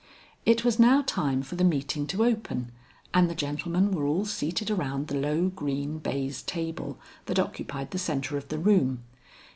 It was now time for the meeting to open, and the gentlemen were all seated around the low green baize table that occupied the centre of the room.